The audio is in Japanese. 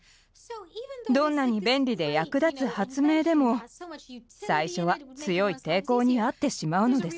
どんなに便利で役立つ発明でも最初は強い抵抗に遭ってしまうのです。